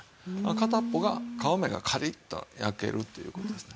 片っぽが皮目がカリッと焼けるという事ですね。